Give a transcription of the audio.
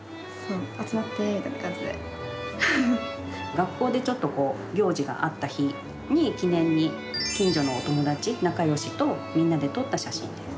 学校で行事があった日に記念に近所のお友達、仲よしとみんなで撮った写真です。